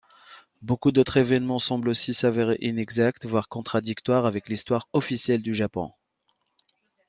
Beaucoup d'autres événements semblent aussi s'avérer inexacts voire contradictoires avec l'histoire officielle du Japon.